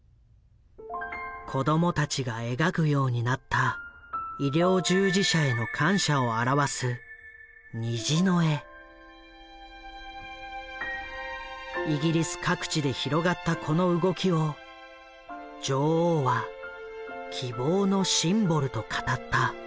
子どもたちが描くようになった医療従事者への感謝を表すイギリス各地で広がったこの動きを女王は「希望のシンボル」と語った。